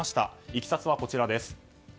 いきさつはこちらです。